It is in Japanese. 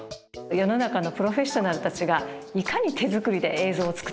世の中のプロフェッショナルたちがいかに手作りで映像を作ってるか。